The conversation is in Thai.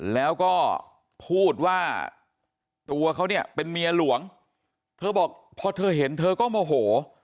แล้วก็พูดว่าตัวเขาเนี่ยเป็นเมียหลวงเธอบอกพอเธอเห็นเธอก็โมโห